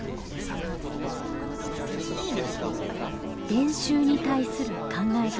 「練習に対する考え方」。